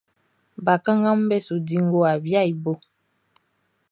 Bakannganʼm be su di ngowa viaʼn i bo.